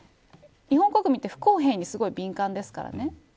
日本国民って不公平にすごい敏感ですからね。